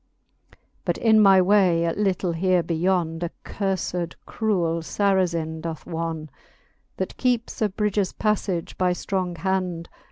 But in my way a little here beyond A curfed cruell Sarazin doth wonne, That keepes a bridges paflage by ftrong hond.